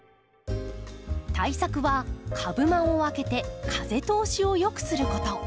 対策は株間をあけて風通しを良くすること。